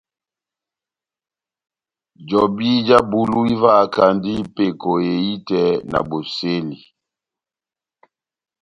Jobi já bulu ivahakandi peko ehitɛ na bosɛli.